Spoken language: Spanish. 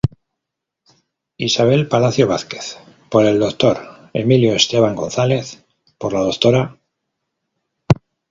Isabel Palacio Vázquez, por el Dr. Emilio Esteban González, por la Dra.